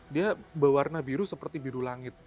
dia berwarna biru seperti biru langit